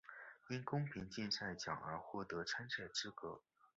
因公平竞技奖而获得参赛资格。